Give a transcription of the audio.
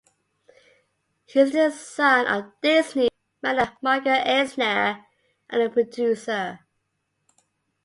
He is the son of Disney magnate Michael Eisner and a producer.